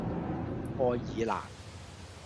愛爾蘭